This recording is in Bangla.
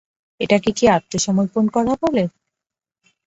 এটাকে কি আত্মসমর্পন করা বলে?